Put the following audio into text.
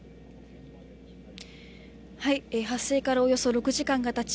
発生からおよそ６時間がたち